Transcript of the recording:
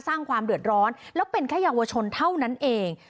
สร้างความเดือดร้อนแล้วเป็นแค่เยาวชนเท่านั้นเอง